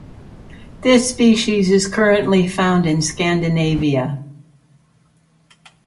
This species is currently found in Scandinavia.